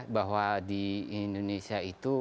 bahwa di indonesia itu